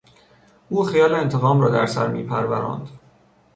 او خیال انتقام را در سر میپروراند.